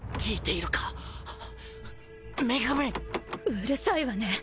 うるさいわね。